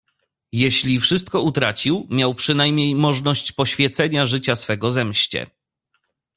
"Jeśli wszystko utracił, miał przynajmniej możność poświecenia życia swego zemście."